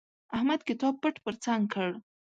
احمد کتاب پټ پر څنګ کړ.